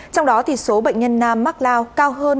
trong đó số bệnh nhân nam mắc lao cao hơn nữ tới bốn hai lần